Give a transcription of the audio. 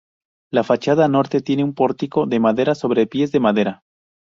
La fachada norte tiene un pórtico de madera sobre pies de madera.